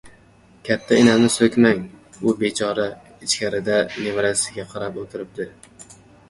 — Katta, enamni so‘kmang. U bechora ichkarida nevarasiga qarab o‘tiribdi.